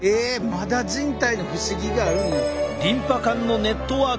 まだ人体の不思議があるんや。